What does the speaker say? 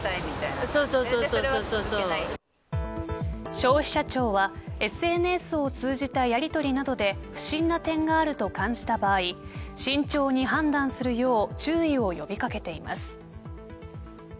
消費者庁はＳＮＳを通じたやりとりなどで不審な点があると感じた場合慎重に判断するよう注意を呼び掛けています。